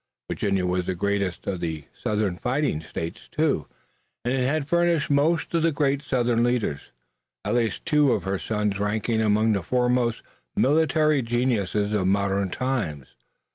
Virginia was the greatest of the Southern fighting states too, and it had furnished most of the great Southern leaders, at least two of her sons ranking among the foremost military geniuses of modern times.